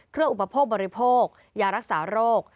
เครื่องอุปโภคบริโภคยารักษาโรค